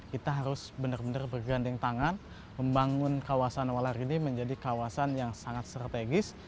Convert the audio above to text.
kita harus benar benar bergandeng tangan membangun kawasan walar ini menjadi kawasan yang sangat strategis